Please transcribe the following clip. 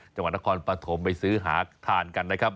จังหวัดนครปฐมไปซื้อหาทานกันนะครับ